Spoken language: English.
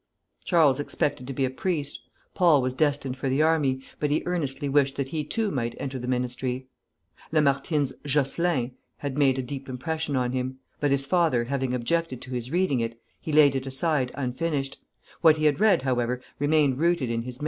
Charles expected to be a priest; Paul was destined for the army, but he earnestly wished that he too might enter the ministry. Lamartine's "Jocelyn" had made a deep impression on him, but his father having objected to his reading it, he laid it aside unfinished; what he had read, however, remained rooted in his memory.